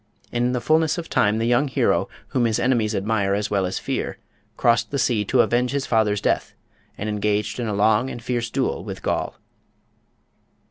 In the fullness of time the young hero, whom his enemies admire as well as fear, crossed the sea to avenge his father's death, and engaged in a long and fierce duel with Goll.